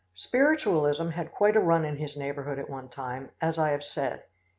Spiritualism had quite a run in his neighborhood at one time, as I have said.